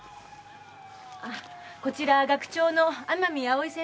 こちら学長の天海葵先生です。